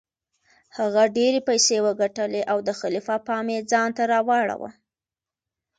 هغه ډیرې پیسې وګټلې او د خلیفه پام یې ځانته راواړوه.